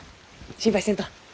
心配せんと。